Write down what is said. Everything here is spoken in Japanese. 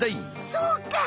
そうか！